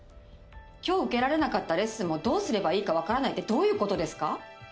今日受けられなかったレッスンもどうすればいいか分からないってどういうことですか？